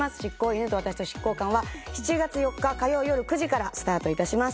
犬と私と執行官』は７月４日火曜よる９時からスタート致します。